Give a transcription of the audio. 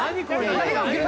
何が起きる？